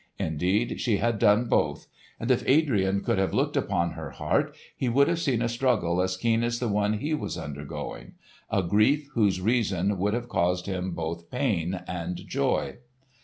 Indeed, she had done both; and if Adrian could have looked upon her heart he would have seen a struggle as keen as the one he was undergoing; a grief whose reason would have caused him both pain and joy.